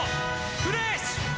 フレッシュ！